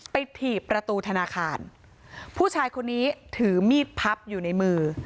ถีบประตูธนาคารผู้ชายคนนี้ถือมีดพับอยู่ในมือ